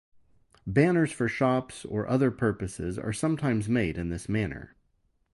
Banners for shops or other purposes are sometimes made in this manner.